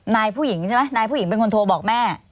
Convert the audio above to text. นายผู้หญิงใช่ไหมนายผู้หญิงเป็นคนโทรบอกแม่